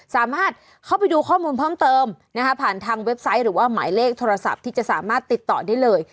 สามารถเข้าไปดูข้อมูลเพิ่มเติมนะคะผ่านทางเว็บไซต์หรือว่าหมายเลขโทรศัพท์ที่จะสามารถติดต่อได้เลย